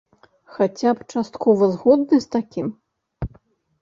Хаця б часткова згодны з такім?